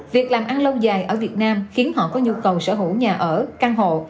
việc làm ăn lâu dài ở việt nam khiến họ có nhu cầu sở hữu nhà ở căn hộ